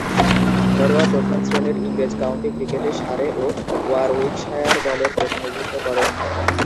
ঘরোয়া প্রথম-শ্রেণীর ইংরেজ কাউন্টি ক্রিকেটে সারে ও ওয়ারউইকশায়ার দলের প্রতিনিধিত্ব করেন।